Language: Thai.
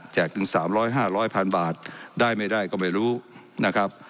แจกถึงสามร้อยห้าร้อยพันบาทได้ไม่ได้ก็ไม่รู้นะครับ